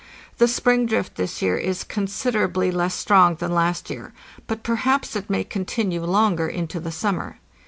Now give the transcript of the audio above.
The spring drift this year is con siderably less strong than last year, but perhaps it may continue longer into the summer.